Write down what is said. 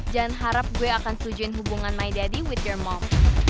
jangan harap gue akan setujuin hubungan my daddy with your mom